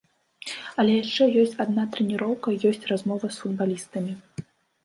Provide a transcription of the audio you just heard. Але яшчэ ёсць адна трэніроўка, ёсць размова з футбалістамі.